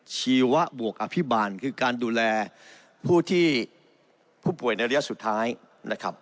ชีวบวกอภิบาลคือการดูแลผู้ที่ผู้ป่วยในระยะสุดท้ายนะครับ